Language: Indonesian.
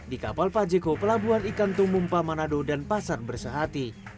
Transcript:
di kapal pajeko pelabuhan ikan tumumpa manado dan pasar bersehati